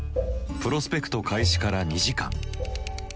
プロスペクト開始から２時間。